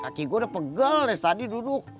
kaki gue udah pegel dari stadi duduk